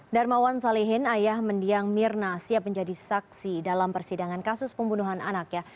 darmawan salehin ayah mendiang mirna siap menjadi saksi dalam persidangan kasus pembunuhan anak ya